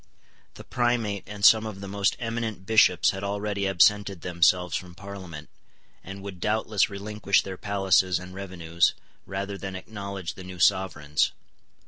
The Primate and some of the most eminent Bishops had already absented themselves from Parliament, and would doubtless relinquish their palaces and revenues, rather than acknowledge the new Sovereigns.